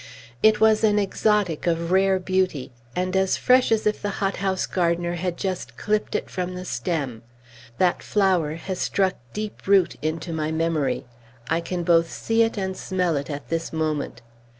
It was an exotic of rare beauty, and as fresh as if the hothouse gardener had just clipt it from the stem. That flower has struck deep root into my memory. I can both see it and smell it, at this moment.